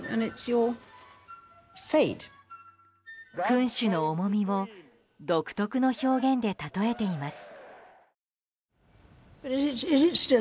君主の重みを独特の表現で例えています。